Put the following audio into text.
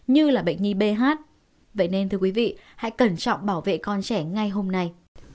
như là bệnh nhi b vậy nên thưa quý vị hãy cẩn trọng bảo vệ con trẻ ngay hôm nay